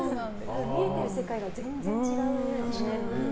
見えてる世界が全然違うんでしょうね。